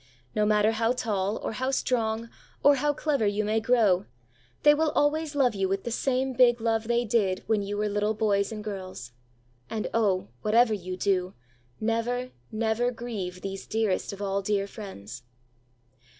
No matter how tall, or how strong, or how clever you may grow, they will always love you with the same big love they did when you were little boys and girls. And, oh! whatever you do, never, never grieve these dearest of all dear friends.